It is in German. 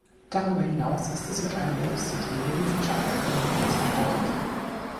Darüber hinaus ist es mit einem Modus zum Trainieren von Schacheröffnungen ausgestattet.